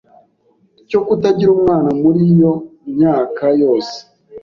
cyo kutagira umwana muri iyo myaka yose.